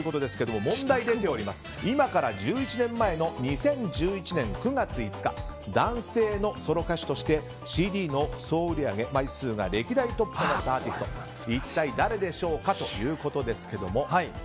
今から１１年前の２０１１年９月５日男性のソロ歌手としてＣＤの総売り上げ枚数が歴代トップとなったアーティスト一体誰でしょうかということですけども。